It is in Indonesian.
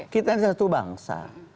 kita ini satu bangsa